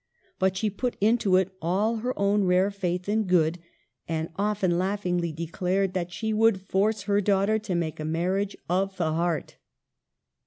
But she put into it all her own rare faith in good, and often laughingly declared that " she would force her daughter to make a marriage of the heart."